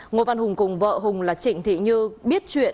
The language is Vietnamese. ngô văn hùng cùng vợ hùng là trịnh thị như biết chuyện